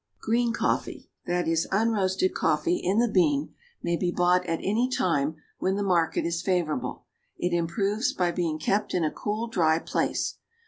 Green coffee that is, unroasted coffee in the bean may be bought at any time when the market is favorable; it improves by being kept in a cool, dry place.